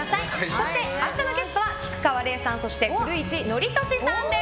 そして明日のゲストは菊川怜さん、古市憲寿さんです。